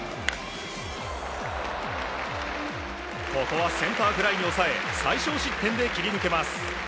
ここはセンターフライに抑え最少失点で切り抜けます。